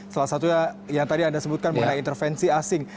salah satunya yang tadi anda sebutkan mengenai intervensi asing